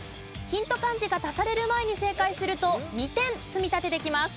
ヒント漢字が足される前に正解すると２点積み立てできます。